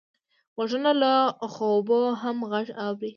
غوږونه له خوبه هم غږ اوري